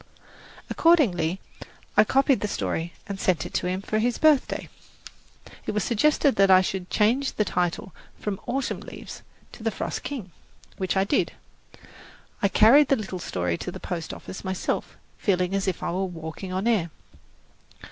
Accordingly I copied the story and sent it to him for his birthday. It was suggested that I should change the title from "Autumn Leaves" to "The Frost King," which I did. I carried the little story to the post office myself, feeling as if I were walking on air.